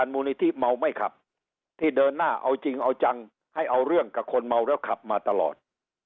มูลนิธิเมาไม่ขับที่เดินหน้าเอาจริงเอาจังให้เอาเรื่องกับคนเมาแล้วขับมาตลอด